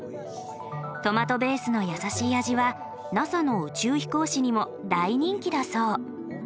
トマトベースのやさしい味はＮＡＳＡの宇宙飛行士にも大人気だそう。